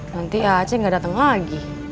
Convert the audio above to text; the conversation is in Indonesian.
nanti ah ceng gak dateng lagi